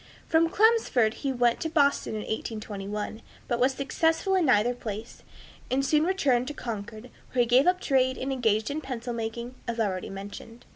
From Chelmsford he went to Boston in 1821, but was successful in neither place, and soon returned to Concord, where he gave up trade and engaged in pencil making, as already mentioned.